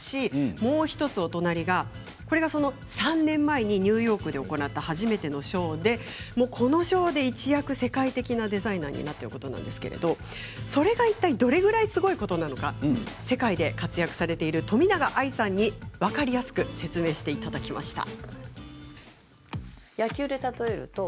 もう１つお隣が３年前にニューヨークで行った初めてのショーでこのショーで一躍世界的なデザイナーになったということなんですけれどそれがいったいどれぐらいすごいことなのか世界で活躍されている冨永愛さんに分かりやすく説明していただきました。